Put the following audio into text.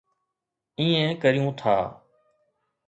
ائين ڪريون ٿا